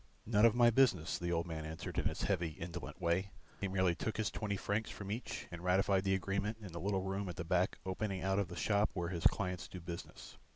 "None of my business," the old man answered in his heavy indolent way. He merely took his twenty francs from each and ratified the agreement in the little room at the back opening out of the shop where his clients do business.